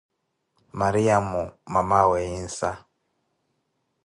Mariyamo, mamaawe Yinsa